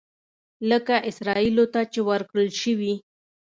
لکه اسرائیلو ته چې ورکړل شوي.